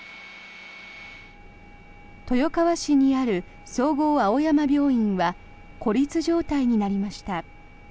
豊川市にある総合青山病院は孤立状態になりました。